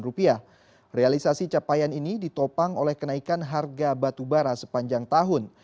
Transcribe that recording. realisasi capaian ini ditopang oleh kenaikan harga batubara sepanjang tahun